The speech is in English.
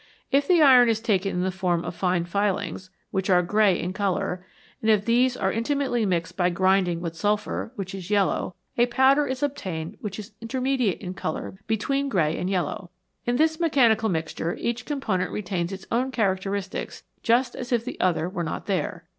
If the iron is taken in the form of fine filings, which are grey in colour, and if these are inti mately mixed by grinding with sulphur, which is yellow, a powder is obtained which is intermediate in colour between grey and yellow. And in this mechanical mixture each component retains its own characteristics just as if the other were not there.